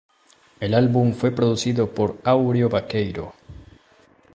El álbum fue producido por Áureo Baqueiro.